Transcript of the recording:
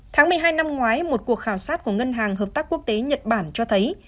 tháng một mươi hai năm ngoái một cuộc khảo sát của ngân hàng hợp tác quốc tế nhật bản cho thấy